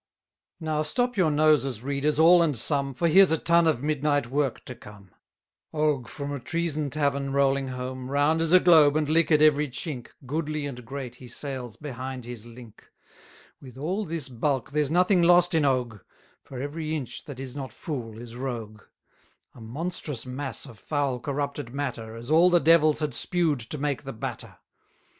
Now stop your noses, readers, all and some, For here's a tun of midnight work to come; Og, from a treason tavern rolling home, Round as a globe, and liquor'd every chink, 460 Goodly and great he sails behind his link; With all this bulk there's nothing lost in Og, For every inch that is not fool is rogue: A monstrous mass of foul corrupted matter, As all the devils had spued to make the batter.